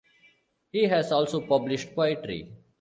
He has also published poetry.